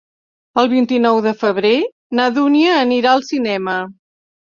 El vint-i-nou de febrer na Dúnia anirà al cinema.